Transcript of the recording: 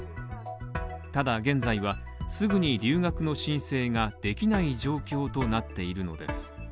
ただ現在は、すぐに留学の申請ができない状況となっているのです。